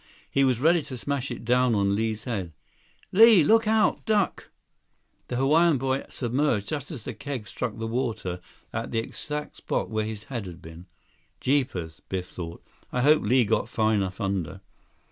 He was ready to smash it down on Li's head. "Li! Look out! Duck!" The Hawaiian boy submerged just as the keg struck the water at the exact spot where his head had been. "Jeepers," Biff thought, "I hope Li got far enough under."